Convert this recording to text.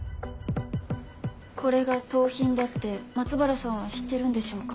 これが盗品だって松原さんは知ってるんでしょうか？